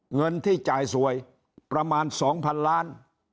เงินที่จ่ายสวยประมาณ๒๐๐๐ล้าน